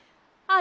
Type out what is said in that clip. あ！